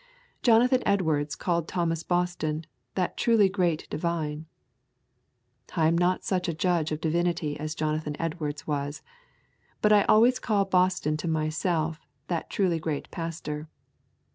Jonathan Edwards called Thomas Boston 'that truly great divine.' I am not such a judge of divinity as Jonathan Edwards was, but I always call Boston to myself that truly great pastor.